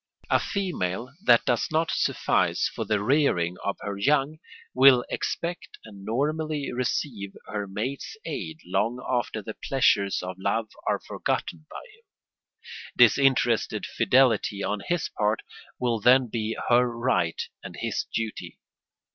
A female that does not suffice for the rearing of her young will expect and normally receive her mate's aid long after the pleasures of love are forgotten by him. Disinterested fidelity on his part will then be her right and his duty.